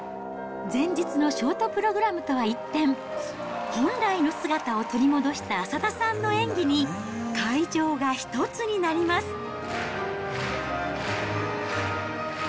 前日のショートプログラムとは一転、本来の姿を取り戻した浅田さんの演技に、会場が一つになります。